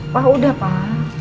pak udah pak